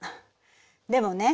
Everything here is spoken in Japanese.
でもね